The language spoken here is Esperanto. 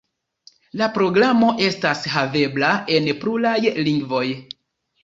La programo estas havebla en pluraj lingvoj.